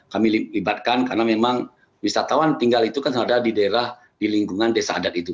kami libatkan karena memang wisatawan tinggal itu kan ada di daerah di lingkungan desa adat itu